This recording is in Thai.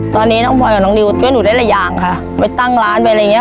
ตอนนี้น้องพลอยกับน้องดิวช่วยหนูได้หลายอย่างค่ะไปตั้งร้านไปอะไรอย่างเงี้